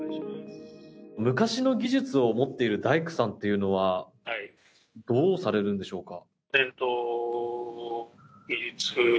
昔の技術を持っている大工さんというのはどうされるんでしょうか。